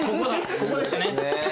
ここでしたね。